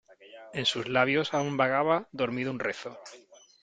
en sus labios aún vagaba dormido un rezo .